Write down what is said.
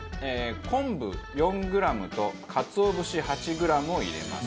昆布４グラムとかつお節８グラムを入れます。